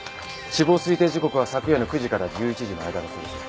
死亡推定時刻は昨夜の９時から１１時の間だそうです。